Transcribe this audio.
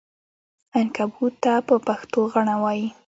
عنکبوت ته په پښتو غڼکه وایې!